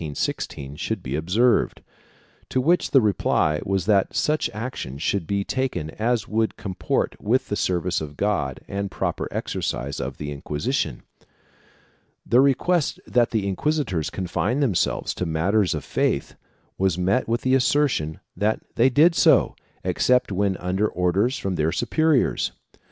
It commenced by asking that the Concordia confirmed by Leo X, in 1516, should be observed, to which the reply was that such action should be taken as would comport with the service of God and proper exercise of the Inquisition. The request that the inquisitors confine themselves to matters of faith was met with the assertion that they did so, except when under orders from their supe riors.